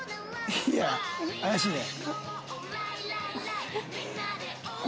いや怪しいね。